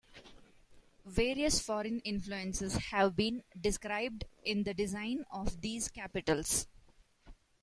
Various foreign influences have been described in the design of these capitals.